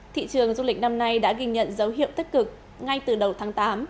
thị trường du lịch năm nay đã ghi nhận dấu hiệu tích cực ngay từ đầu tháng tám